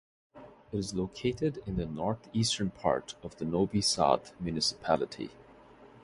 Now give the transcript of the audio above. It is located in the north-eastern part of the Novi Sad municipality.